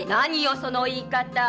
その言い方。